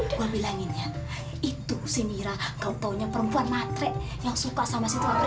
eh eh eh gue bilangin ya itu si mira kau taunya perempuan matre yang suka sama si tuan fredy